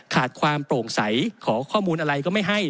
ขาดความโปร่งใสขอข้อมูลอะไรก็ไม่ให้